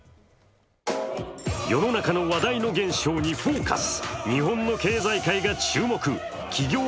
世の中の話題の現象に「ＦＯＣＵＳ」。